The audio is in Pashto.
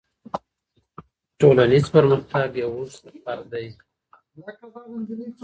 ټولنیز پرمختګ یو اوږد سفر دی.